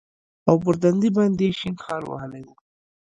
او پر تندي باندې يې شين خال وهلى و.